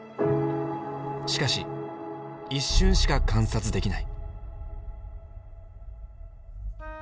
しかし一瞬しか観察できない。